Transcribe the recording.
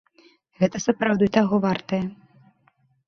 Гэта сапраўды таго вартае.